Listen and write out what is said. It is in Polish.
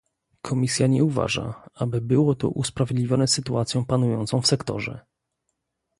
Komisja nie uważa, aby było to usprawiedliwione sytuacją panującą w sektorze